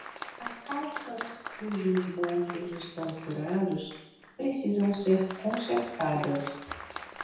As calças cujos bolsos estão furados precisam ser consertadas.